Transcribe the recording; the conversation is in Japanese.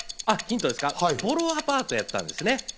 ボロアパートやったんですね。